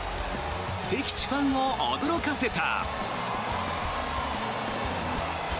敵地ファンも驚かせた。